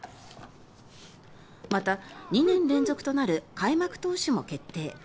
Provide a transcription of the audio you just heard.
また、２年連続となる開幕投手も決定。